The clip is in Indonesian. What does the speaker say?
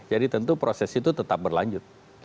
jadi tentu proses itu tetap berlanjut